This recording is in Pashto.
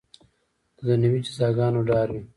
د دنیوي جزاګانو ډاروي.